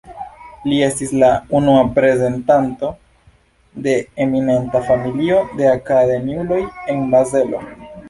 Li estis la unua reprezentanto de eminenta familio de akademiuloj en Bazelo.